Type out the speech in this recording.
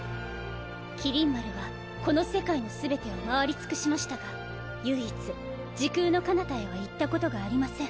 麒麟丸はこの世界の全てを回りつくしましたが唯一時空の彼方へは行ったことがありません。